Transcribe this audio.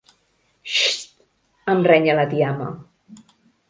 Xxxst –em renya la tiama.